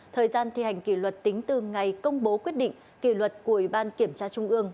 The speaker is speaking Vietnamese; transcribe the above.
thời gian thi hành kỷ luật tính từ ngày công bố quyết định kỷ luật của ủy ban kiểm tra trung ương